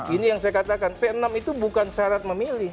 ini yang saya katakan c enam itu bukan syarat memilih